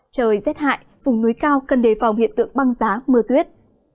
trời rét hại vùng núi cao cần đề phòng hiện tượng băng giá mưa tuyết